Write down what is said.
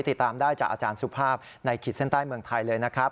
ติดตามได้จากอาจารย์สุภาพในขีดเส้นใต้เมืองไทยเลยนะครับ